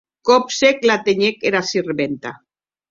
Còp sec, l'artenhec era sirventa.